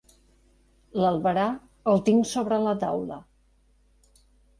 L'albarà el tinc sobre la taula.